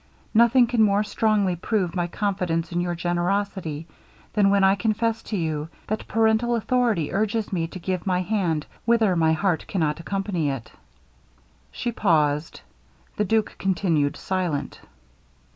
Nothing can more strongly prove my confidence in your generosity, than when I confess to you, that parental authority urges me to give my hand whither my heart cannot accompany it.' She paused the duke continued silent.